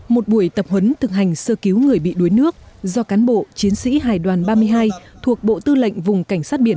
một buổi tập huấn thực hành sơ cứu người bị đuối nước do cán bộ chiến sĩ hải đoàn ba mươi hai thuộc bộ tư lệnh vùng cảnh sát biển